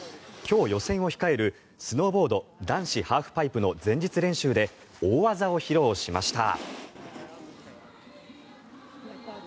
今日予選を控えるスノーボード男子ハーフパイプの前日練習で大技を披露しました。